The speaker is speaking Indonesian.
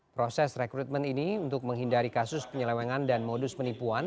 proses rekrutmen ini untuk menghindari kasus penyelewengan dan modus penipuan